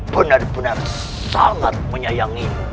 benar benar sangat menyayangi